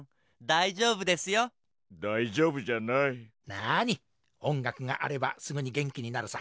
なに音楽があればすぐに元気になるさ。